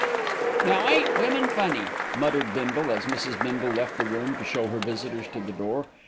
"Now ain't women funny," muttered Bindle, as Mrs. Bindle left the room to show her visitors to the door.